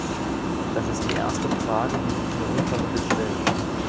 Das ist die erste Frage, die sich mir unvermittelt stellt.